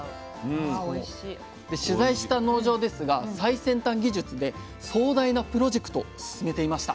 で取材した農場ですが最先端技術で壮大なプロジェクト進めていました。